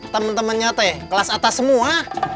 temen temennya teh kelas atas semua